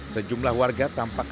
sejumlah warga tampak